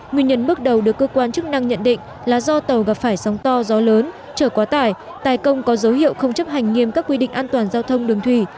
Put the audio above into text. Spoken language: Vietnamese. nguyên nhân bước đầu được cơ quan chức năng nhận định là do tàu gặp phải sóng to gió lớn trở quá tải tài công có dấu hiệu không chấp hành nghiêm các quy định an toàn giao thông đường thủy